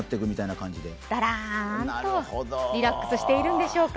ダラーンとリラックスしているんでしょうか？